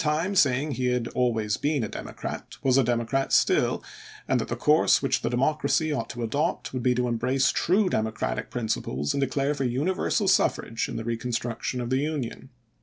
time saying he had always been a Democrat, was a Democrat still, and that the course which the Democracy ought to adopt would be to embrace true Democratic principles and declare for universal suffrage in the reconstruction of the Union.